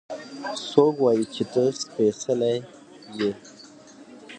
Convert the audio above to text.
څوک وايي چې ته سپېڅلې يې؟